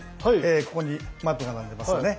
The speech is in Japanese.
ここにマットが並んでいますよね。